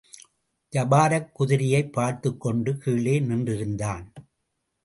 ஜபாரக் குதிரையைப் பார்த்துக் கொண்டு கீழே நின்றிருந்தான்.